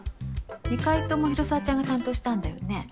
２回共広沢ちゃんが担当したんだよね。